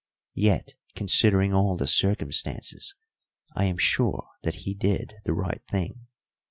Yet, considering all the circumstances, I am sure that he did the right thing.